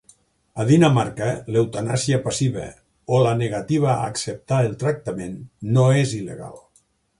A Dinamarca, l'eutanàsia passiva, o la negativa a acceptar el tractament, no és il·legal.